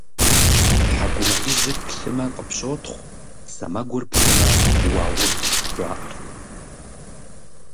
ТхьэкӀумэ ижьыр плъымэ, къыпщотхъу, сэмэгур плъымэ - уауб, жаӀэрт.